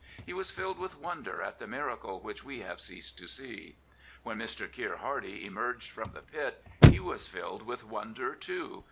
He was filled with wonder at the miracle which we have ceased to see. When Mr. Keir Hardie emerged from the pit he was filled with wonder, too.